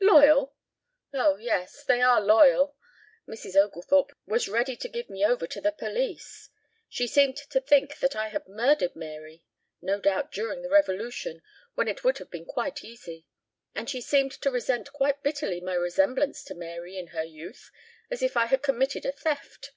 "Loyal! Oh, yes. They are loyal. Mrs. Oglethorpe was ready to give me over to the police. She seemed to think that I had murdered Mary no doubt during the revolution, when it would have been quite easy. And she seemed to resent quite bitterly my resemblance to Mary in her youth as if I had committed a theft."